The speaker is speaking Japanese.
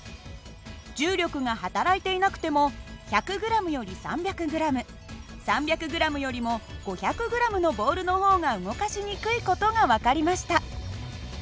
重力が働いていなくても１００ｇより３００ｇ３００ｇよりも５００ｇのボールの方が動かしにくい事が分かりました。